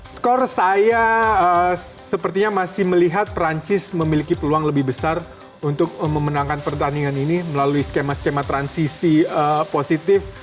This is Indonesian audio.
skor saya sepertinya masih melihat perancis memiliki peluang lebih besar untuk memenangkan pertandingan ini melalui skema skema transisi positif